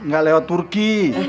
gak lewat turki